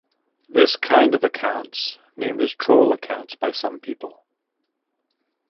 This kind of accounts named as "troll accounts" by some people.